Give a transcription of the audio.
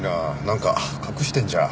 なんか隠してるんじゃ。